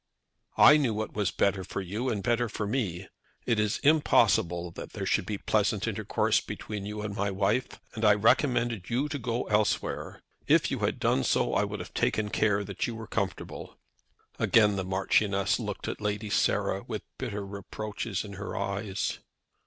"I knew what was better for you and better for me. It is impossible that there should be pleasant intercourse between you and my wife, and I recommended you to go elsewhere. If you had done so I would have taken care that you were comfortable." Again the Marchioness looked at Lady Sarah with bitter reproaches in her eyes.